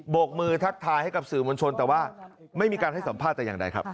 กมือทักทายให้กับสื่อมวลชนแต่ว่าไม่มีการให้สัมภาษณ์แต่อย่างใดครับ